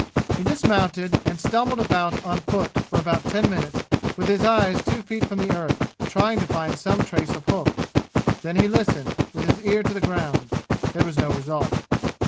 He dismounted and stumbled about on foot for about ten minutes with his eyes two feet from the earth, trying to find some trace of hoof. Then he listened, with his ear to the ground. There was no result.